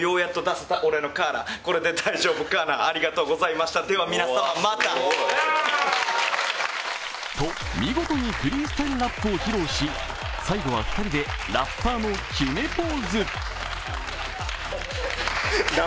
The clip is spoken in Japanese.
松本さんからのむちゃぶりにと、見事にフリースタイルラップを披露し最後は２人で、ラッパーの決めポーズ。